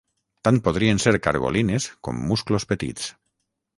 Tant podrien ser cargolines com musclos petits.